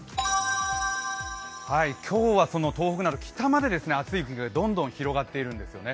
今日はその東北など北まで暑い空気がどんどん広がっているんですよね。